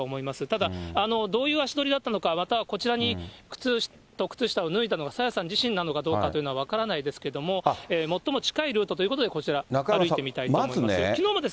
ただ、どういう足取りだったのか、またこちらに靴と靴下を脱いだのが朝芽さん自身なのかどうかというのは分からないですけれども、最も近いルートということでこちら、中山さん、まずね。